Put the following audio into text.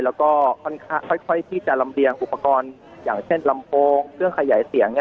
แล้วก็ค่อยที่จะลำเลียงอุปกรณ์อย่างเช่นลำโพงเครื่องขยายเสียง